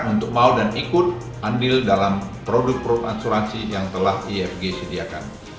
untuk mau dan ikut andil dalam produk produk asuransi yang telah ifg sediakan